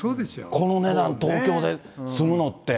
この値段、東京で住むのって。